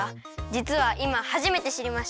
じつはいまはじめてしりました。